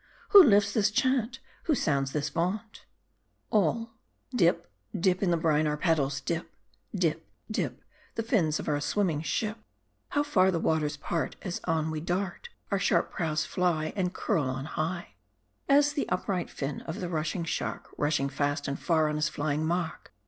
Who lifts this chant ? Who sounds this vaunt ? (ML) Dip, dip, in the brine our paddles dip, Dip, dip, the fins of our swimming ship ! How the waters part, As on we dart ; Our sharp prows fly, And curl on high, As the upright fin of the rushing shark, Rushing fast and far on his flying mark